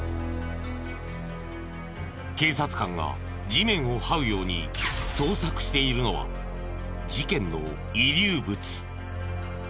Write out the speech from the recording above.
警察官が地面を這うように捜索しているのは事件の遺留物。